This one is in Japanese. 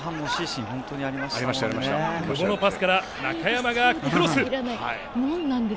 久保のパスから中山がクロス。